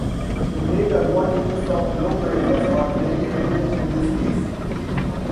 The great advantages of low prices are very evident in this case.